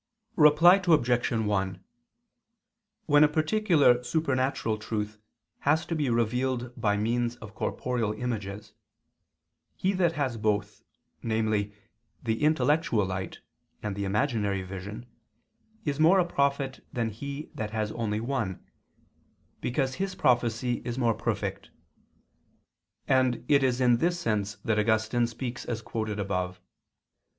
Reply Obj. 1: When a particular supernatural truth has to be revealed by means of corporeal images, he that has both, namely the intellectual light and the imaginary vision, is more a prophet than he that has only one, because his prophecy is more perfect; and it is in this sense that Augustine speaks as quoted above.